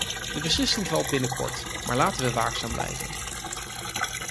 De beslissing valt binnenkort, maar laten we waakzaam blijven.